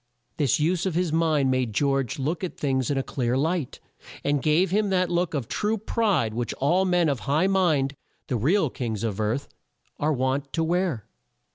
This use of his mind made George look at things in a clear light, and gave him that look of true pride which all men of high mind, the real kings of earth, are wont to wear.